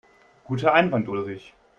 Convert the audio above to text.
Guter Einwand, Ulrich.